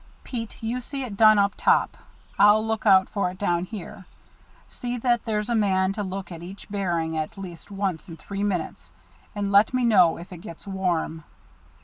Pete, you see it done up top. I'll look out for it down here. See that there's a man to look at each bearing at least once in three minutes, and let me know if it gets warm."